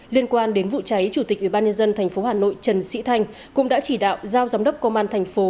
liên quan đến vụ cháy chủ tịch ubnd tp hà nội trần sĩ thanh cũng đã chỉ đạo giao giám đốc công an thành phố